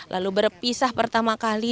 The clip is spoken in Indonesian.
lalu berpisah pertama kali